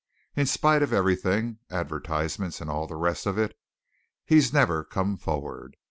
In spite of everything, advertisements and all the rest of it, he's never come forward.